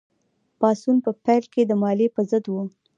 پاڅون په پیل کې د مالیې په ضد و.